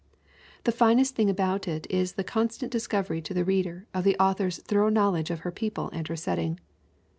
The finest thing about it is the constant discovery to the reader of the author* s thorough knowledge of her people and her setting.